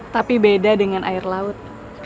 tapi beda dengan air laut